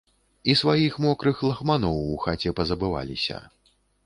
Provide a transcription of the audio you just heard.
І сваіх мокрых лахманоў у хаце пазабываліся.